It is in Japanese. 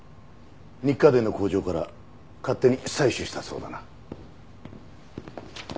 ニッカデンの工場から勝手に採取したそうだな。